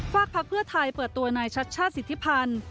ภักดิ์เพื่อไทยเปิดตัวนายชัดชาติสิทธิพันธ์